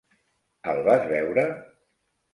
El vas veure?